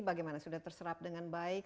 bagaimana sudah terserap dengan baik